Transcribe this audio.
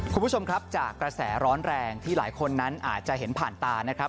คุณผู้ชมครับจากกระแสร้อนแรงที่หลายคนนั้นอาจจะเห็นผ่านตานะครับ